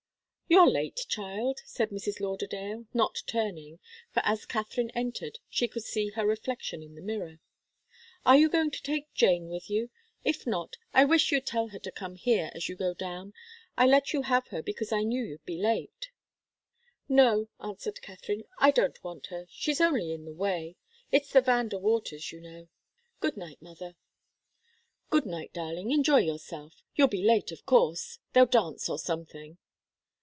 "You're late, child," said Mrs. Lauderdale, not turning, for as Katharine entered, she could see her reflection in the mirror. "Are you going to take Jane with you? If not, I wish you'd tell her to come here, as you go down I let you have her because I knew you'd be late." "No," answered Katharine, "I don't want her she's only in the way. It's the Van De Waters', you know. Good night, mother." "Good night, darling enjoy yourself you'll be late, of course they'll dance, or something."